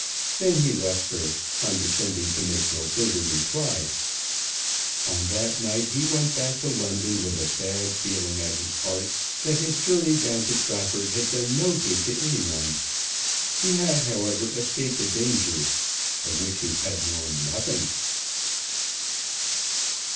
Then he left her, condescending to make no further reply. On that night he went back to London, with a sad feeling at his heart that his journey down to Trafford had done no good to any one. He had, however, escaped a danger of which he had known nothing.